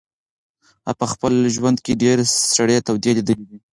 هغه په خپل ژوند کې ډېرې سړې تودې لیدلې دي.